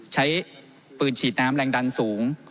ใช้ปืนฉีดน้ำแรงดันสูง